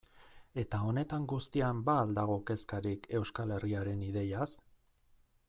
Eta honetan guztian ba al dago kezkarik Euskal Herriaren ideiaz?